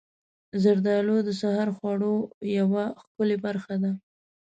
زردالو د سحر خوړو یوه ښکلې برخه ده.